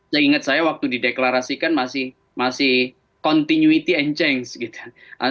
seingat saya waktu dideklarasikan masih continuity and change gitu